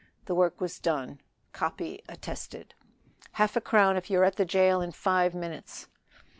The work was done, copy attested. "Half a crown if you are at the jail in five minutes."